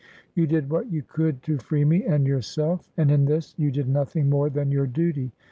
You did what you could to free me and yourself; and in this, you did nothing more than your duty.